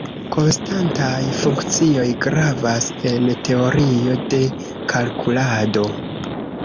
Konstantaj funkcioj gravas en teorio de kalkulado.